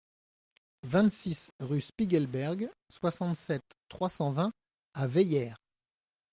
vingt-six rue Spiegelberg, soixante-sept, trois cent vingt à Weyer